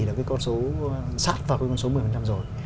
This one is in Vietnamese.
được cái con số sát vào cái con số một mươi rồi